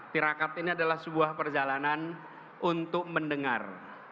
tirakat ini adalah sebuah perjalanan untuk mendengar